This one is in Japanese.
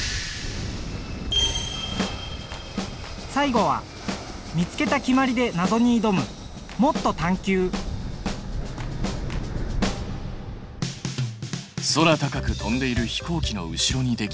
最後は見つけた決まりでなぞにいどむ空高く飛んでいる飛行機の後ろにできる白い帯。